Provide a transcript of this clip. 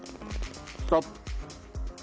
ストップ。